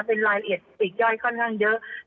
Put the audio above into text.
เป็นรายละเอียดปลีกย่อยค่อนข้างเยอะ